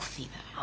あ。